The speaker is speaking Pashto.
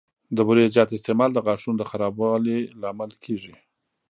د بوري زیات استعمال د غاښونو د خرابوالي لامل کېږي.